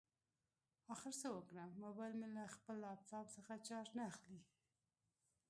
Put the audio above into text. اخر څه وکړم؟ مبایل مې له خپل لاپټاپ څخه چارج نه اخلي